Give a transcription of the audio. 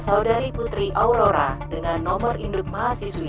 kepada saudari putri aurora dengan nomor induk mahasiswi tujuh puluh satu ribu empat puluh enam